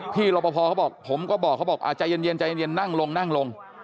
พี่รบพอบอกผมก็บอกเขาบอกอ่ะใจเย็นนั่งลง